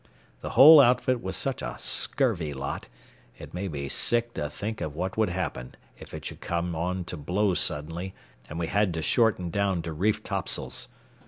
The whole outfit was such a scurvy lot it made me sick to think of what would happen if it should come on to blow suddenly and we had to shorten down to reefed topsails.